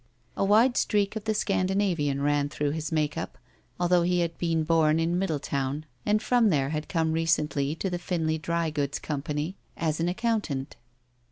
A wide streak of the Scandinavian ran through his make up, although he had been bom in Middletown, and from there had come recently to the Pinley Dry Goods Company as an ac countant.